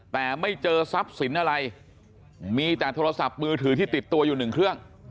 แต่ไม่เจอทรัพย์สินอะไรมีแต่โทรศัพท์มือถือที่ติดตัวอยู่หนึ่งเครื่อง